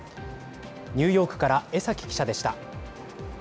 ニューヨークから江崎記者でした。